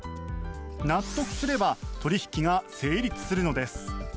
納得すれば取引が成立するのです。